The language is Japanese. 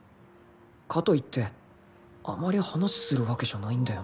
かといってあまり話するわけじゃないんだよな